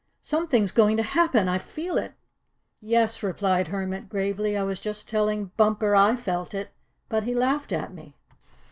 Something's going to happen! I feel it!" "Yes," replied Hermit gravely, "I was just telling Bumper I felt it, but he laughed at me."